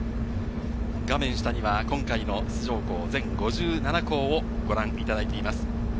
画面下には今回の出場校、全５７校をご覧いただいています。